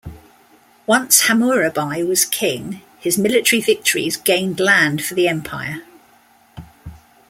Once Hammurabi was king, his military victories gained land for the empire.